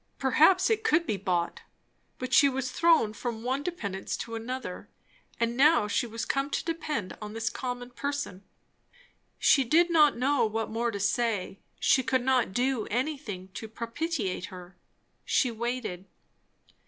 perhaps it could be bought. But she was thrown from one dependence to another; and now she was come to depend on this common person. She did not know what more to say; she could not do anything to propitiate her. She waited.